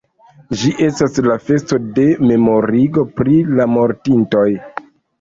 Ĝi estas la festo de memorigo pri la mortintoj.